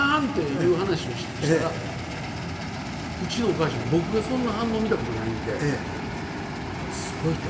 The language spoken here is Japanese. いう話をしたらうちのお母ちゃんは僕のそんな反応見たことないんで「うわっすごい」と。